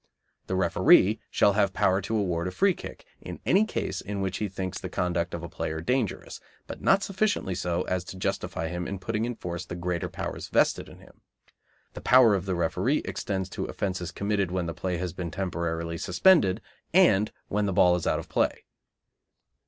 The referee shall have power to award a free kick in any case in which he thinks the conduct of a player dangerous, but not sufficiently so as to justify him in putting in force the greater powers vested in him. The power of the referee extends to offences committed when the play has been temporarily suspended and when the ball is out of play.